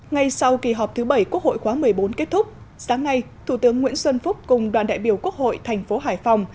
ngay sau kỳ họp thứ bảy quốc hội khóa một mươi bốn kết thúc sáng nay thủ tướng nguyễn xuân phúc cùng đoàn đại biểu quốc hội thành phố hải phòng